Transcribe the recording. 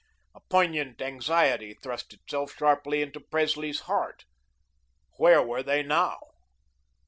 A poignant anxiety thrust itself sharply into Presley's heart. Where were they now?